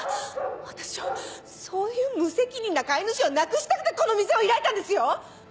私はそういう無責任な飼い主をなくしたくてこの店を開いたんですよ！